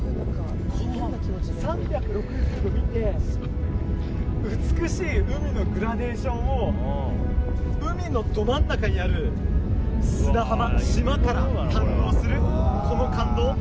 この３６０度見て美しい海のグラデーションを海のど真ん中にある砂浜島から堪能するこの感動。